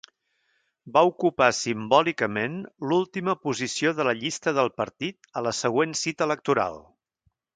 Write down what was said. Va ocupar simbòlicament l'última posició de la llista del partit a la següent cita electoral.